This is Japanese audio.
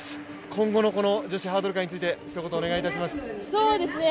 今後の女子ハードル界について、ひと言お願いします。